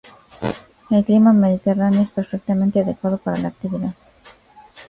El clima mediterráneo es perfectamente adecuado para la actividad.